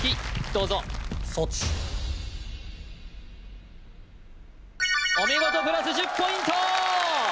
どうぞお見事プラス１０ポイント